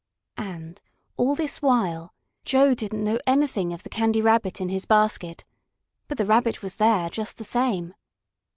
And, all this while, Joe didn't know anything of the Candy Rabbit in his basket. But the Rabbit was there, just the same.